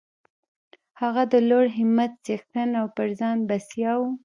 هغه د لوړ همت څښتن او پر ځان بسیا و